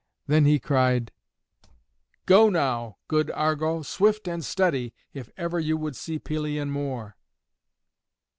Then he cried, "Go now, good Argo, swift and steady, if ever you would see Pelion more."